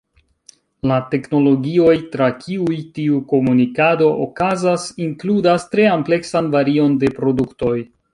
La teknologioj tra kiuj tiu komunikado okazas inkludas tre ampleksan varion de produktoj.